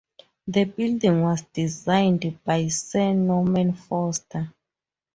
The building was designed by Sir Norman Foster.